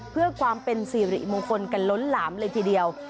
เพื่อความเป็นสิริมงคลกันล้นหลามเลยทีเดียว